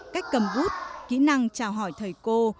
cách cầm bút kỹ năng chào hỏi thầy cô